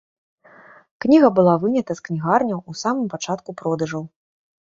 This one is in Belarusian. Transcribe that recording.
Кніга была вынята з кнігарняў у самым пачатку продажаў.